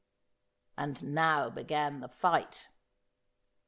And now began the fight.